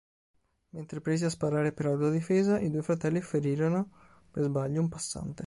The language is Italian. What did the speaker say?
Mentre presi a sparare per autodifesa, i due fratelli ferirono per sbaglio un passante.